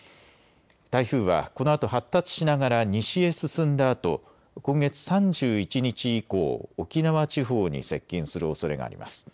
台風はこのあと発達しながら西へ進んだあと今月３１日以降、沖縄地方に接近するおそれがあります。